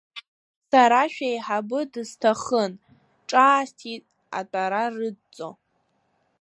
Сара шәеиҳабы дысҭахын, ҿаасҭит атәара рыдҵо.